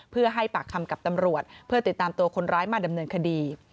เพื่อให้ปากคำกับตำรวจเพื่อติดตามตัวคนร้ายมาดำเนินคดี